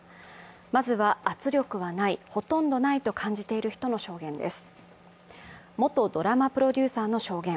まずは圧力はない、ほとんどないと感じている人の証言です。